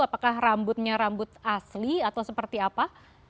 apakah rambutnya rambut asli atau seperti apa